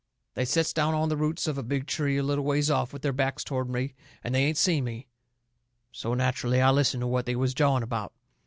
They sets down on the roots of a big tree a little ways off, with their backs toward me, and they ain't seen me. So nacherally I listened to what they was jawing about.